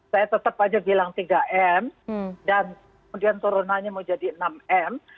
saya tetap aja bilang tiga m dan kemudian turunannya mau jadi enam m